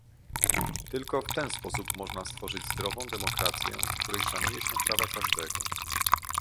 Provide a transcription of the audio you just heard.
Tylko w ten sposób można stworzyć zdrową demokrację, w której szanuje się prawa każdego